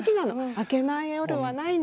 明けない夜はないの。